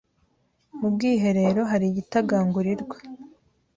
Mu bwiherero hari igitagangurirwa.